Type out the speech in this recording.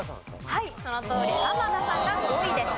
はいそのとおりです。